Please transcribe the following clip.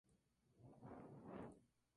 Pero el nombre desapareció con el tiempo.